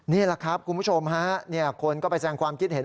นี่แหละครับคุณผู้ชมฮะคนก็ไปแสงความคิดเห็น